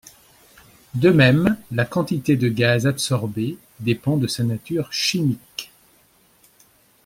De même, la quantité de gaz adsorbé dépend de sa nature chimique.